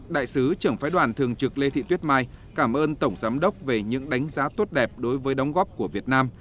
đại sứ trưởng phái đoàn thường trực lê thị tuyết mai cảm ơn tổng giám đốc về những đánh giá tốt đẹp đối với đóng góp của việt nam